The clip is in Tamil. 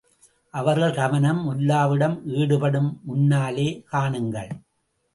அவர்கள் கவனம் முல்லாவிடம் ஈடுபடும் முன்னாலே காணுங்கள்!